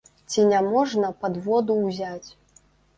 Ці няможна падводу ўзяць.